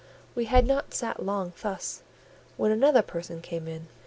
We had not sat long thus, when another person came in.